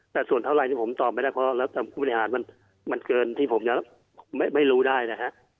แต่ส่วนเท่าไรที่ผมตอบไม่ได้เพราะแล้วผู้บริหารมันเกินที่ผมจะไม่รู้ได้นะฮะ